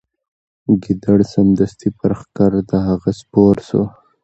ګیدړ سمدستي پر ښکر د هغه سپور سو